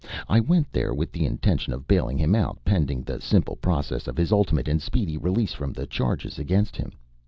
I went there with the intention of bailing him out, pending the simple process of his ultimate and speedy release from the charges against him.